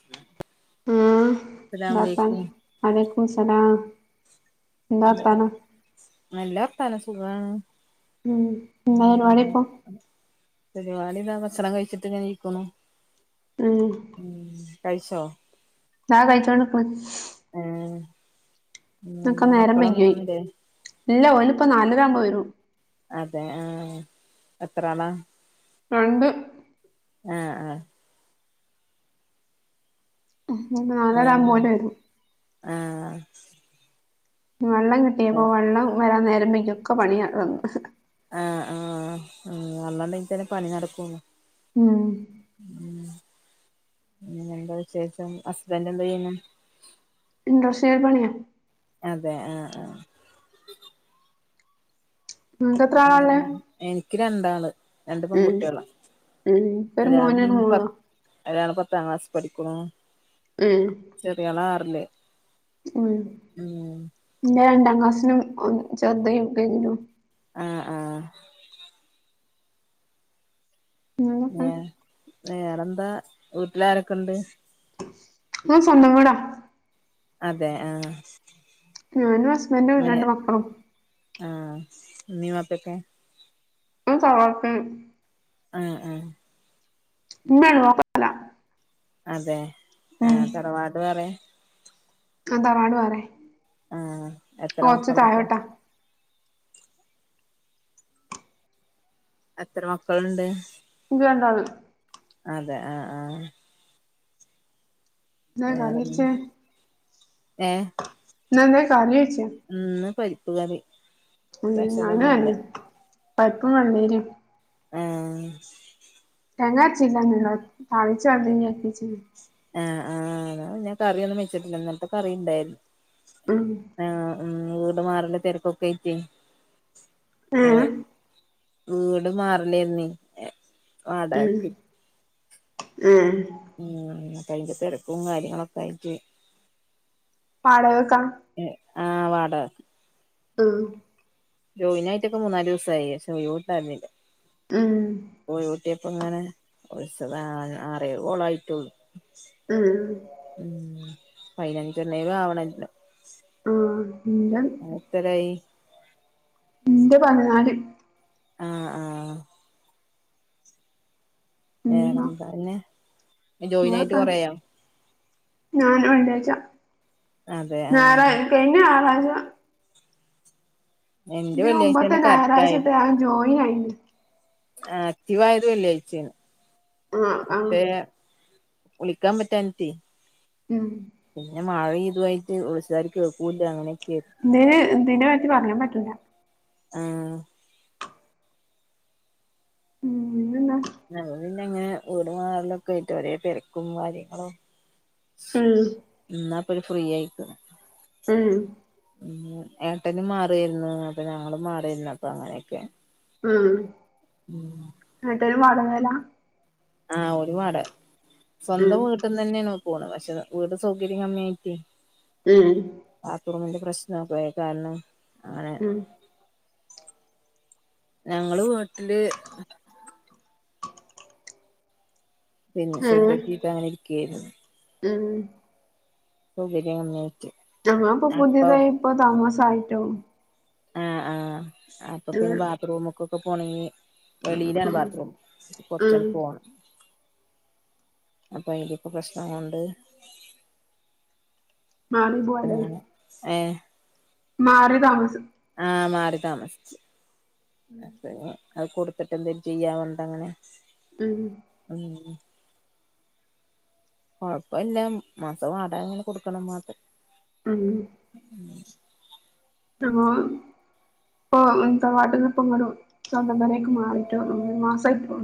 ങ്ങേ ആ വറത്താണ് വലക്കും സ്ലാം എ നല്ല വർത്താനം സുഖമാണ്. ഉം എന്താ പരിപാടി ഉം ഇപ്പൊ പരിപാടിതാ ഭക്ഷണം കഴിച്ചിട്ട് ഇങ്ങന ഇരിക്കണു. ഉം ഉം കഴിച്ചോ? അ കായിച്ചോണ്ട് നിക്കണ്. ആ ഒക്കെ എന്താ നേരം മക്കളൊന്നും വൈകിയോയി വന്നില്ലേ?. ഇല്ല ഒനിപ്പം നാലരയാകുമ്പോ വരും. അതെ ആ എത്രാളാ?. രണ്ട്. ആ ആ ഉം നളെരാൻ ആഹ് പോണ്ട വരും. ആഹ് വെള്ളം കിട്ടിയപ്പോ വെള്ളം വരാൻ നേരമ്പോേക്കൊക്കെ പണിയന്ന് ആഹ് ആ ആവള്ളം ണ്ടെങ്കിൽ തന്നെ പണി നടക്കുള്ളും. ഉം ഉം പിന്നെ എന്താ വിശേഷം. ഹസ്ബൻ്റ എന്താ ചെയണ്?. ഇൻഡ്രസ്സ്യൽ പണിയ. അതെ ആഹ ആഹ നിങ്ങക്ക് എത്ര ആ ആളാ ഇള്ളേ എനിക്ക് രണ്ടാള്. രണ്ട് ഉം പെൺകുട്ടികളാ, ഉം ഇൻക്കൊരു ഒരാ മോനും ഒരു മോളുവാ പത്ത് ഒരാള് പത്താം ക്ലാസ്സിൽ പഠിക്കുന്നു. ഉം ചെറിയാൾ ആറില്ല്. ഉം. എന്റെ രണ്ടാം ക്ലാസിനും, ചെറുത് എൽ കെ ജിയിലും. ആഹ് ആഹ് ഉം വേറെന്താ വീട്ടിലാരൊക്കെ ഉണ്ട്. ഹ് സ്വന്തം വീടാ അതെ ആഹ് ഞാനും ഹസ്ബൻ്റു വേ രണ്ട് മക്കളും. ആഹ് ഉമ്മയും വപ്പേക്കേ ചോക്കൻ [inaudible] ആഹ് ആ ഹ് ഉമ്മല്ല വാപ്പ. അതെ ആ ഉം തറവാട് വേറയാ?. അഹ് താറവാട് വേറയാ ആഹ എത്ര മക്കളാപ്പ. താഴോട്ടാ എത്ര മക്കള്ണ്ട്. ഇ വേണ്ടത്. അതെ ആഹ് ആഹ്. എന്താ കറി വേറെന് വെച്ചേ ഏഹ്. ന്നന്തേ കറി ച്ച്. ഉം ഇന്ന് പരിപ്പുകറി. ഉം അഞനാണ് പഴപ്പും കണ്ടീനു. ഉം. തെങ്ങാര്ച്ചില്ലന്നുള്ളോ താളിച്ച വച്ചിച്ചിന് ആഹ് ആഹ് ഞാകറ്യോന്നും വെച്ചിട്ടില്ല ഇന്നൽത്തെ കറിണ്ടാരു ന്നു. ഉം. ആ ഉം ട് മാറണെ തെരക്കൊക്കാ യിട്ടേ. ഏഹ് വീട് മാറലേന്നീ ഏഹ്. ഉം ഉം. ഉം അതിന്റെ തെരക്കും കാര്യങ്ങളൊക്കായിറ്റ്. വാടയ് ക്കാ ഏഹ് ആ വാട ഉം. ജോയിനായിട്ടൊക്കെ മൂന്നാലൂ സായി പക്ഷേ യിവ്ണ്ടായിന്നില. ഉം. ഒഴിവ്ട്ടപ്പോങ്ങനെ വി ളിച്ചതാ ആറേഴ് കോളായിട്ടോള്ളു. ഉം. ഉം പതിനച്ചാണെലുംലാവണല്ലോ. ഉം ഞാൻ. അഹ് എത്തരായി? ഇന്റെ പതിനാല്. ആഹ് ആഹ്. ഉം വേറെന്താ ന്നെ ജോയിനായിട്ട് കൊറെയോ? ഞാൻ വള്ളി യാച്ച അതെ ഞാറാ ആഹ് കഴിഞ്ഞ ഞാറാഴ്ച്ച എന്റെ ഇതിനമ്പത്തെ വെള്ളിയാഴ്ചന്നെ കറക്റ്റ് ഞായറാഴ്ചട്ട് ഞാൻ ജോയി ആയിണ്ട്. ആ ആക്റ്റീവായത് വെള്ളായിച്ചേണ് ആഹ് ആഹ് പക്ഷേ. വിളിക്കാപറ്റാഞ്ഞട്ടേയ്. ഉം. പിന്നെ മഴതായിട്ട് ഓയിസോര് കേ ക്കൂല്ല അങ്ങനെക്കെരുന്നു. ന്തിനതിനെ പറ്റി പറയാൻ പറ്റൂല്ല. ആഹ്. ഉം ന്നെന്താ? ഞ ന്നെങ്ങനെ വീട് മാറലൊക്കാ യിട്ട് ഒരേ തെരക്കും കാര്യങ്ങളും. ഉം. ഇന്നാപ്പൊരു ഫ്രീ ആയിക്ക്ണ്. ഉം. ഉം ഏട്ടനും മാറിയിരുന്നു അപ്പൊ ഞങ്ങളും മാറിയിരുന്നു അപ്പ അങ്ങനെയൊക്കേണ്. ഉം. ഉം ഏട്ടനും വാടകേലാ ആഹ് ഓരും വാട, ഉം സ്വന്തം വീട്ടന്ന് ന്നെണ് പോണ് പശേ വീട് സൗകര്യം കമ്മ്യായിട്ടേയ്. ഉം. ബാത്റൂമിന്റെ പ്രശ്നക്കെയി അയ് കാരണം. അങ്ങനെ ഉം. ഞങ്ങള് വീട്ടില് പിന്നെ ഷെഡ്ഡ് ഏഹ് കെട്ടീട്ട് അങ്ങനെ ഇരിക്കുകയായിരുന്നു ഉം സൗകര്യം വന് ഞങ്ങളും ഇപ്പൊ പുതിയതായി ഇപ്പൊ താമസായിട്ടൊള്ളൂ ആഹ് ആഹ് അപ്പൊ പിന്നെ ഉം ബാത്റൂമ്ക്കൊക്കെ പോണങ്ങി വെളിയിലാണ് ഉം ബാത്റൂം ഉം കൊറച്ചങ്ങട്ട് പോണം അപ്പൊ അയ്ലൊക്കെ പ്രശ്നങ്ങള്ണ്ട് മാറി പോവാല്ലേ അങ്ങനെ ഏഹ് മാറി താമസം ആഹ് മാറിതാമസിച്ച് അതന്നെ അത് കൊടുത്തിട്ട് എന്തേലും ചെയ്യാന് ണ്ട അങ്ങനെ ഉം ഉം കൊഴപ്പല്ല മാസം വാടക അങ്ങനെ കൊടുക്കണംന്ന് മാത്രം ഉം ഉം അപ്പോ ഇപ്പൊ തറവാട്ടിന്നിപ്പൊ ങ്ങട് സ്വന്തം പോരെയ്ക്ക് മാറിയിട്ടൊള്ളൂ ഒരു മാസമായിട്ടൊള്ളൂ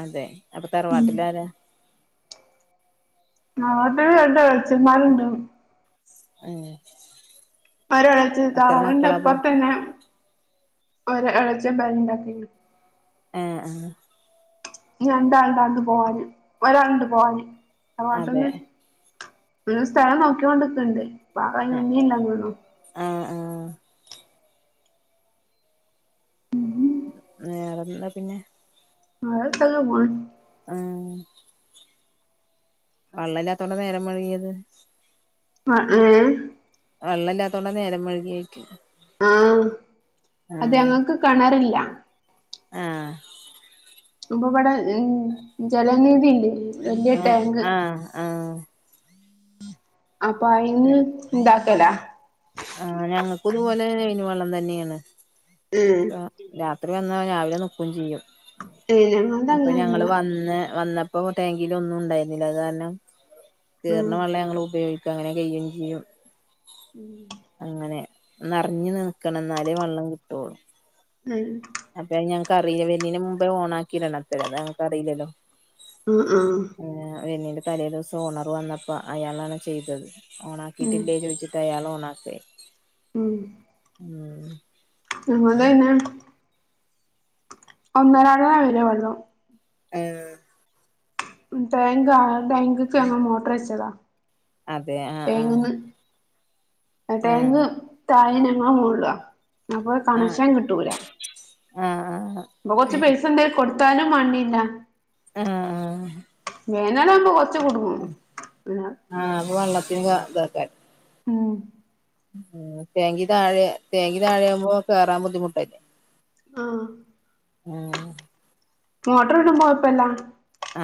അതെ അപ്പൊ തറവാട്ടിലാരാ അത് അവിടെ എളേച്ചന്മാരുണ്ടാവും [unintelligible] ഒരെളച്ചന് എത്ര തറവാടിന്റെ മക്കളാപ്പൊ അപ്പുറത്ത് തന്നെ ഒരളച്ഛൻ പെരണ്ടാക്കണ്. ഏഹ് ആഹ് രണ്ടാള്ണ്ട് ആണ്ട് പോവാന് ഒരാള്ണ്ട് പോവാന് തറവാട്ടിൽ അതെ നിന്ന് ഒരു സ്ഥലം നോക്കിക്കൊണ്ട് നിക്ക്ണ്ട് ഇപ്പൊ ആരും അയ്‌ന് നിന്നീല്ലാനൊള്ളൂ ആഹ് ആഹ് വേറെന്താ പിന്നെ ആ സ്ഥലം [unintelligible] ആഹ് വള്ളല്ലാത്തോണ്ട നേരം വൈകിയത് ആഹ് ഏഹ് വെള്ളല്ലാത്തോണ്ടാ നേരം വൈകിയതെന്ന് ചോയ്ക ആഹ് അത് ഞങ്ങക്ക് കിണറില്ല ആഹ് ഇപ്പൊ ഇവിടെ ജലനിധി ഇല്ലേ വല്യ ടാങ്ക് ആഹ് ആഹ് അപ്പൊ അയിന്ന് ഇണ്ടാക്കലാ ആഹ് ഞങ്ങൾക്കും ഇതുപോലെ ലൈൻ വെള്ളം തന്നെയാണ് ഉം രാത്രി വന്നാ രാവിലെ നിക്കും ചെയ്യും, ഞങ്ങൾത് അപ്പൊ അങ്ങനെല്ല ഞങ്ങള് വന്ന് വന്ന പ്പൊ ടാങ്കില് ഒന്നും ഉണ്ടായിരുന്നില്ല അത് കാരണം ഉം കേറ്ണ വെള്ളം ഞങ്ങൾ ഉപയോഗിക്ക അങ്ങനെ കഴിയും ചെയ്യും ഉം അങ്ങനെ നിറഞ്ഞു നിൽക്കണം എന്നാലേ വെള്ളം കിട്ടുള്ളൂ ഉം അപ്പൊ ഞങ്ങക്ക് അറിയില്ല വരുന്നീന് മുമ്പേ ഓൺ ആക്കിടണം അത് ഞങ്ങക്കറിയില്ലല്ലോ ഉം ഉം പിന്നീട് തലേ ദിവസം ഓണർ വന്നപ്പോ അയാളാണ് ചെയ്തത് ഉം ഓണാക്കിയിട്ടില്ലേ ചോദിച്ചി ന്നട്ട് അയാളോണാക്കാ ചെ ഉം ഉം ഞങ്ങൾത് പിന്നെ ഒന്നരാള വരൊള്ളു ആഹ് ടാങ്ക ടാങ്ക്ക്ക് ഞങ്ങൾ മോട്ടർ വച്ചതാ അതെ ആഹ് ആഹ് അ ടേങ്ക് തായേം ഞങ്ങൾ മോൾലാ അപ്പൊ കണക്ഷൻ കിട്ടൂല ആഹ് ആഹ് ആഹ് ഇപ്പൊ കൊറച്ച പൈസണ്ടേ കൊടുത്താലും മാണ്ടില്ല ആഹ് ആഹ് വേനലാവുമ്പൊ കൊറച്ച് കുടുങ്ങും ആഹ് അപ്പൊ വെള്ളത്തിന് ഇതാ ഇതേക്കാരം ഉം ഉം ടേങ്കി താഴെ ടേങ്കി താഴെയാകുമ്പോ കേറാൻ ബുദ്ധിമുട്ടല്ലേ ആഹ് ഉം മോട്ടർ ഇട്മ്പോ കോയപ്പുല്ലാ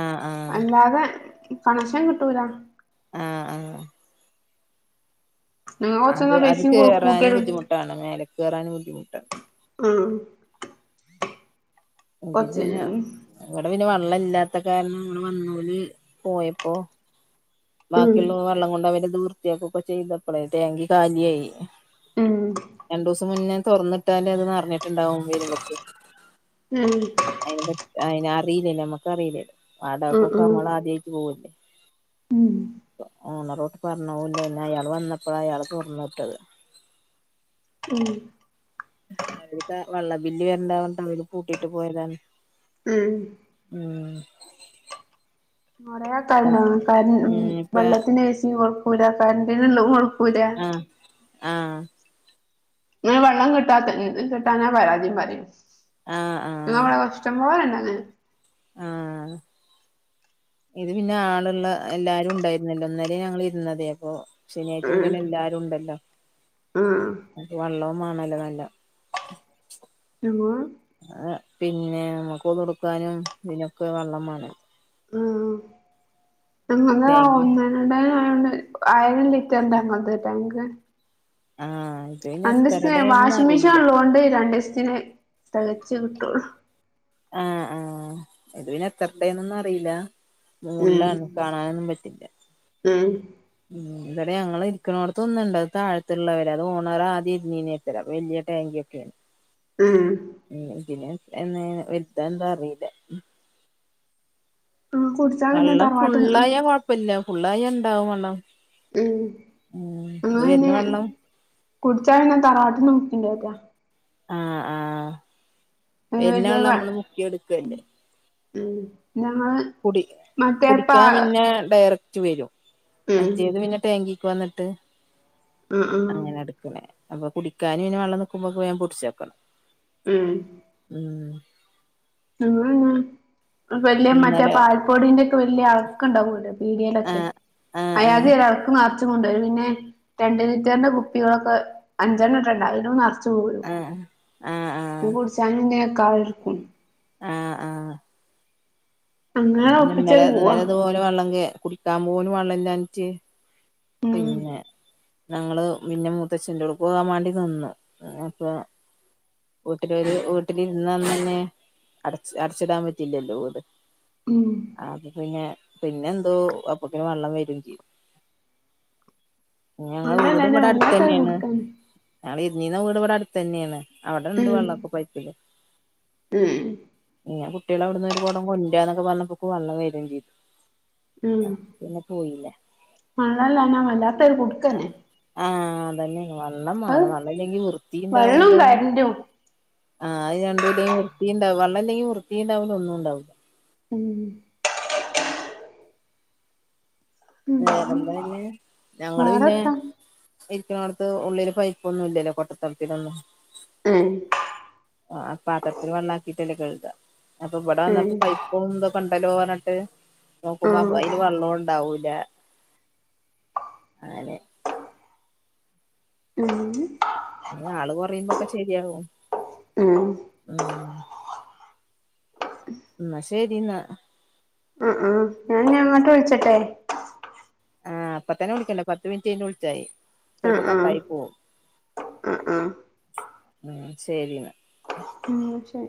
ആഹ് ആഹ് അല്ലാതെ കണക്ഷൻ കിട്ടൂല ആഹ് ആഹ് ഞങ്ങൾ അത് കൊറച്ചെന്നാ അത് പൈസയും കൊ കേറാന് കൂട്ടിയത് ബുദ്ധിമുട്ടാണ് മേലെക്കേറാന് ബുദ്ധിമുട്ടാണ് ഉം ക്കി കൊറച്ച് പിന്നെ ഉം ഇവിടെ പിന്നെ വെള്ളം ഇല്ലാത്ത കാരണം ഇവിടെ വന്നോല് പോയപ്പോ ഉം ബാക്കിയുള്ള വെള്ളം കൊണ്ട് അവര് ഇത് വൃത്തിയാക്കൊക്കെ ചെയ്തപ്പോളേ ടേങ്കി കാലിയായി ഉം രണ്ടുസം മുന്നേ തൊർന്നിട്ടാല് അത് നിറഞ്ഞിട്ടുണ്ടാവും വരുമ്പോത്തിന് ഉം അത് അയിനറീല്ലല്ലോ നമ്മക്ക് അറീല്ലല്ലോ ഉം വാടകക്കൊക്കെ ഉം നമ്മളാദ്യയിട്ട് പോവല്ലേ ഓണറോടെ പറഞ്ഞൂല്ല ന്നെ അയാൾ വന്നപ്പോളാ അയാള് തുറന്ന വിട്ടത് ഉം വ്ടത്തെ വള്ള ബില്ലി വരണ്ടാർഞ്ഞിട്ട് അവര് പൂട്ടിട്ട് പോയതാണ് ഉം ഉം കൊറേൾകാരണ്ട് ക ഉം ഇപ്പ വെള്ളത്തിൻ്റെ പൈസയും കൊട്ക്കൂല്ല കറൻ്റിനുള്ളതും കൊട്ക്കൂല്ല ആഹ് ആഹ് ഇന്നാ വെള്ളം കിട്ടാത്ത കിട്ടാഞ്ഞാ പരാതിം പറിം ആഹ് ആഹ് ന്നാവടെഷ്ടം പോലണ്ടത് ആഹ് ഇത് പിന്നെ ആള് ള്ള എല്ലാരും ഉണ്ടായിരുന്നില്ലോ ഇന്നലേ ഞങ്ങളിർന്നതേ അപ്പൊ ശനിയാഴ്ച മുതല് എല്ലാരുംണ്ടല്ലോ ഉം ഉം ക്ക് വെള്ളോം വാണല്ലോ നല്ല നുവാ ആഹ് പിന്നെ നമുക്കൊളുട്ക്കാനും ഇതിനൊക്കെ വെള്ളം മാണെ ആഹ് പിന്നെ ങ്ങ തേങ്ങി ആവുന്നേ രണ്ടായിരായോണ്ട് ആയിരം ലിറ്റർണ്ടങ്ങൾത് ടാങ്ക് ആഹ് ഇത് പിന്നെ രണ്ടീസ്തിന് എത്രടേന്നൊന്നും വാഷിംഗ് അറിയില്ല മെഷീൻള്ളതോണ്ട് രണ്ടിസ്ത്തിന് തികച്ചു കിട്ടുള്ളു ആഹ് ആഹ് ഇത് പിന്നെത്ര ടേന്നൊന്നും അറീല്ല ഉം മോൾലാണ് കാണാനൊന്നും പറ്റില്ല ഉം ഉം ഞങ്ങൾ ഇരിക്ക്ണോട്ത്ത് ഒന്നുണ്ട് അത് താഴത്തുള്ളവര് അത് ഓണർ ആദ്യം ഇരുന്നീന വലിയ ടാങ്ക്യാക്കെ ഉം ഉഅ പിന്നെ വലുതാ എന്താ അറിയില്ല ആഹ് കൊടു വെള്ളം ഫുള്ളായാ കൊഴപ്പില്ല ഫുള്ളായ ഇണ്ടാവും വെള്ളം ഉം ഉം അന്നാ ഇത് പിന്നെ വരുന്ന വെള്ളം കുടിച്ചാ പിന്നെ തറവാട്ടിന്ന് പറ്റില്ലെട്ട ആഹ് ആഹ് അതിന് വലിയ പിന്നൊള്ള പ നമ്മള് മുക്കിയെടുക്കണ്ട് ഉം നമ്മള് കുടി കുടിക്കാൻ പിന്നെ ഡയറക്റ്റ് വരും ഉം മറ്റേത് പിന്നെ ടാങ്കിക്ക് വന്നിട്ട് മ് മ് അങ്ങനെ എടുക്കണ അപ്പൊ കുടിക്കാനും പിന്നെ വെള്ളം നിക്കുമ്പോ പോയക്ക് വേഗം പിടിച്ച് വെക്കാം മ് ഉം ആഹ് വലിയ മറ്റേ ഇന്നലെ പാൽപ്പൊടീന്റൊക്കെ വലിയ അൾക്ക് ഇണ്ടാവൂലെ പീടിയേലൊക്കെ ആഹ് [unintelligible] ആഹ് ആഹ് ഒരാൾക്ക് മാത്രം ച്ചും കൊണ്ടും പിന്നെ രണ്ട് ലിറ്ററിന്റെ കുപ്പികളൊക്കെ അഞ്ചെണ്ണട്ടണ്ട് അയിലും നെറച്ച് ഓൾ ആഹ് ആഹ് ആഹ് ഇത് കുടിച്ചാൽ [unintelligible] ആഹ് ആഹ് അന്ന് അങ്ങനെ പിന്നെ ഇന്നലെ ഒപ്പിച്ചട് പോവാ ഇന്നലെ അതുപോലെ വെള്ളം കുടിക്കാൻ പോലും വെള്ളം ഇല്ലാഞ്ഞിട്ട് ഉം പിന്നെ ഞങ്ങള് പിന്നെ മൂത്തച്ഛൻ്റവിടെ പോകാൻ വേണ്ടി നിന്നു അപ്പ വീട്ടിലൊരു വീട്ടില് ഇന്ന് അന്നന്നെ അടച്ച് അടച്ചിടാൻ പറ്റില്ലല്ലോ വീട് ഉം അത് പിന്നെ പിന്നെ എന്തോ അപ്പക്കിന് വെള്ളം വരും ചെയ്യും ഞങ്ങ വെള്ളല്ലാഞ്ഞാ വീടിവടെ വല്ലാത്തൊരു അടുത്തന്നെയാണ് കുടുക്കന്നെ ഞങ്ങള് ഇരുന്നീന വീട് ഇവിടെ അടുത്തന്നെയാണ് അവിടെ ഇണ്ട് ഉം വെള്ളൊക്കെ പൈപ്പില് പിന്നെ കുട്ടികള് അവിട്ന്ന് ഒരു കുടം കൊണ്ടന്നൊക്കെ പറഞ്ഞപ്പോക്ക് വെള്ളം വരേം ചെയ്തു ഉം പിന്നെ പോയില്ല മഴല്ലന്നാ വല്ലാത്തൊര് കൊടുക്കന്നെ ആഹ് അതന്നെ വെള്ളം വേണ് വെള്ളം ഇല്ലെങ്കി വൃത്തി വെള്ളോം ഇണ്ടാവൂല കരന്റും ആഹ്ത് രണ്ടൂ ഇല്ലെ വൃത്തിയിണ്ടാവു വെള്ളല്ലെങ്കി വൃത്തിണ്ടാവില്ല ഒന്നും ഉണ്ടാവില്ല ഉം വേറെന്താ പിന്നെ ഞങ്ങള് പിന്നെ വേറെത്താ മിക്കടുത്തും ഉള്ളില് പൈപ്പൊന്നും ഇല്ലല്ലോ കൊട്ടത്തളത്തിലൊന്നും ആഹ് ആഹ് പാത്രത്തില് വെള്ളാക്കിട്ടല്ലേ കഴ്ക അപ്പൊ ഇവിടെ ഉം വന്നപ്പം പൈപ്പും ഇതൊക്കെ ഇണ്ടല്ലോന്ന് പറഞ്ഞിട്ട് നോക്കുമ്പ ആഹ് അ അയിന് വെള്ളണ്ടാവൂല അങ്ങനെ മ്ഹ് ആള് കുയുമ്പോക്കെ ശെരിയാവോ ഉം ഉം ന്നാ ശരി എന്നാ ആഹ് ആഹ് ങ്ങാട്ട് വിളിച്ചട്ടെ ആഹ് ഇപ്പത്തന്നെ വിളിക്കണ്ട പത്ത് മിനിറ്റ് വിളിച്ചായി ആഹ് ചെലപ്പ ആഹ് കട്ടായി പോവും ആഹ് ആഹ് ആഹ് ശരി എന്നാ ആഹ് ശെരി